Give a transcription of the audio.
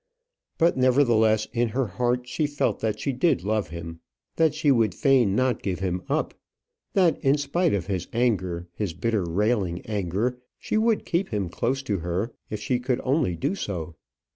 But, nevertheless, in her heart she felt that she did love him, that she would fain not give him up, that, in spite of his anger, his bitter railing anger, she would keep him close to her if she only could do so.